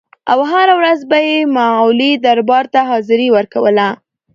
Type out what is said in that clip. او هره ورځ به یې مغولي دربار ته حاضري ورکوله.